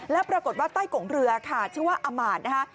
แล้วปรากฏว่าใต้กงเรือค่ะชื่อว่าอามาตย์นะคะ